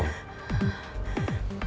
tidak pak bos